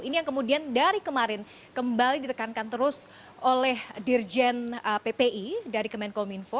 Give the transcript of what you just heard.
ini yang kemudian dari kemarin kembali ditekankan terus oleh dirjen ppi dari kemenkominfo